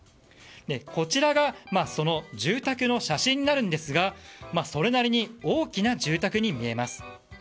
こちらがその住宅の写真になるんですがそれなりに大きな住宅に見えます。